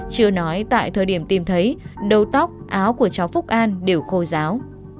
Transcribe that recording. chưa nói tại thời điểm tìm thấy đầu tóc áo của cháu phúc an đều khô giáo